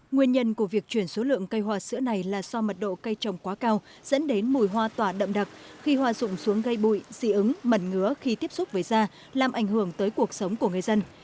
nguyên nhân của việc chuyển số lượng cây hoa sữa này là do mật độ cây trồng quá cao dẫn đến mùi hoa tỏa đậm đặc khi hoa rụng xuống gây bụi dị ứng mẩn ngứa khi tiếp xúc với da làm ảnh hưởng tới cuộc sống của người dân